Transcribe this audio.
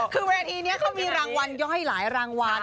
คือเวทีนี้เขามีรางวัลย่อยหลายรางวัล